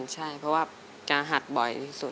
พายชุมพลใช่เพราะว่ากะหัดบ่อยที่สุด